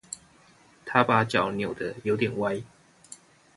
他把腳扭得有點歪